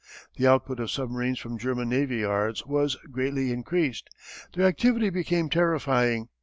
The output of submarines from German navy yards was greatly increased. Their activity became terrifying.